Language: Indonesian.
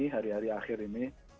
hari hari akhir ini